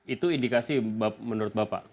itu indikasi menurut bapak